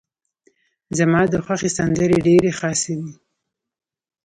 زما ده خوښې سندرې ډيرې خاصې دي.